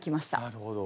なるほど。